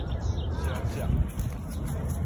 遮食